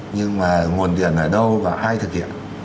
nhưng mà nguồn điện ở đâu và ai thực hiện